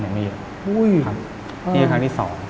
ที่ครั้งที่๒